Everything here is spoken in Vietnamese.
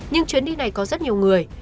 nhưng chuyến đi này có rất nhiều người